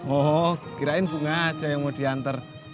oh kirain bunga aja yang mau diantar